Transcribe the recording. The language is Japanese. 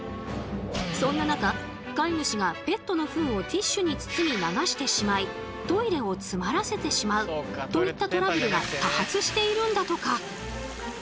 そんな中飼い主がペットのフンをティッシュに包み流してしまいトイレを詰まらせてしまうといったトラブルが多発しているんだとか。